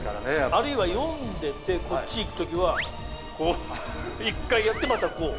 あるいは読んでてこっちいく時はこう１回やってまたこう。